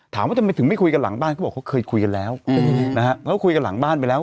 ถามว่าทำไมถึงไม่คุยกันหลังบ้านเขาบอกเขาเคยคุยกันแล้วนะฮะเขาคุยกันหลังบ้านไปแล้ว